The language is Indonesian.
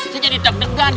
saya jadi deg degan